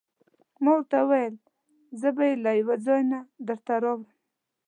ما ورته وویل: زه به يې له یوه ځای نه درته راوړم.